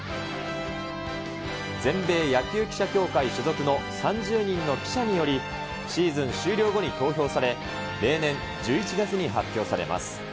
全米野球記者協会所属の３０人の記者により、シーズン終了後に投票され、例年、１１月に発表されます。